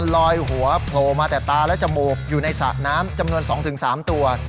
ลอยหัวโผล่มาแต่ตาและจมูกอยู่ในสระน้ำจำนวน๒๓ตัว